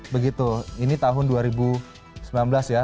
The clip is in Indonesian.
begitu ini tahun dua ribu sembilan belas ya